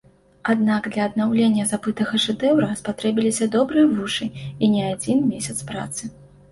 Аднак для аднаўлення забытага шэдэўра спатрэбіліся добрыя вушы і не адзін месяц працы.